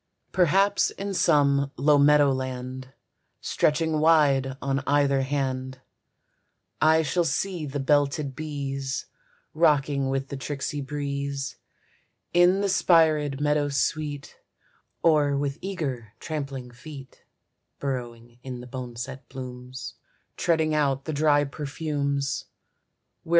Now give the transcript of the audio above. Perhaps in some low meadow land, Stretching wide on either hand, I shall see the belted bees Rocking with the tricksy breeze In the spirèd meadow sweet, Or with eager trampling feet Burrowing in the boneset blooms, Treading out the dry perfumes.